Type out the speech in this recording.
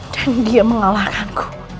dan dia mengalahkanku